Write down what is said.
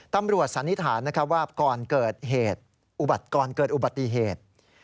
ตำรวจสันนิษฐานว่าก่อนเกิดอุบัติเหตุ